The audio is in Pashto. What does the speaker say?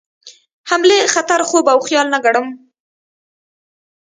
حملې خطر خوب او خیال نه ګڼم.